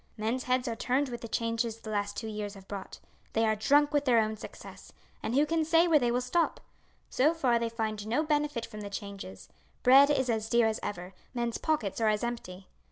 Men's heads are turned with the changes the last two years have brought about. They are drunk with their own success, and who can say where they will stop? So far they find no benefit from the changes. Bread is as dear as ever, men's pockets are as empty.